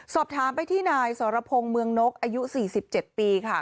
สอบถามไปที่นายสรพงศ์เมืองนกอายุ๔๗ปีค่ะ